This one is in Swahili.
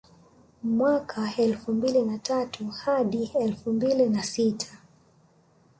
Mwaka elfu mbili na tatu hadi elfu mbili na sita